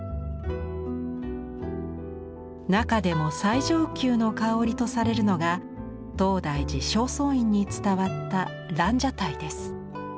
中でも最上級の香りとされるのが東大寺正倉院に伝わった「蘭奢待」です。